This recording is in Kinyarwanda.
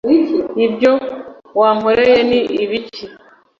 ibyo wankoreye ni ibiki